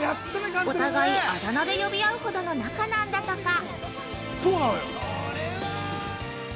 お互い、あだ名で呼び合うほどの仲なんだとか。